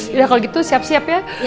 sudah kalau gitu siap siap ya